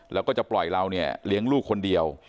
แล้วก็จะปล่อยเราเนี่ยเลี้ยงลูกคนเดียว